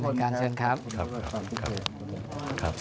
เป็นการเชิญครับ